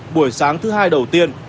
buổi sáng thứ hai đầu tiên